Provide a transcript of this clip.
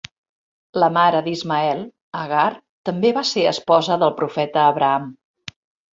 La mare d'Ismael, Agar, també va ser esposa del profeta Abraham.